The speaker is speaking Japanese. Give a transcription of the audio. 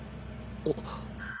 あっ。